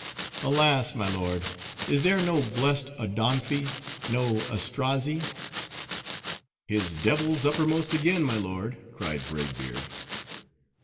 alas! my lord, is there no blest Odonphi? no Astrazzi?" "His devil's uppermost again, my lord," cried Braid Beard.